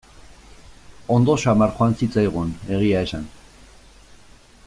Ondo samar joan zitzaigun, egia esan.